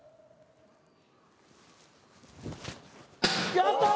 やったー！